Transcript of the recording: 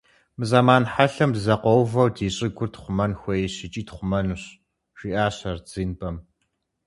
- Мы зэман хьэлъэм, дызэкъуэувэу, ди щӀыгур тхъумэн хуейщ икӀи тхъумэнущ, - жиӏащ Ардзинбэм.